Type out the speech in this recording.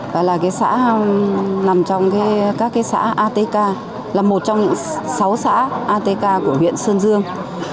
và là xã nằm trong các xã atk là một trong sáu xã atk của huyện sơn dương